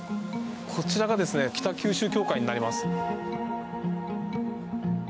こちらが北九州教会になります。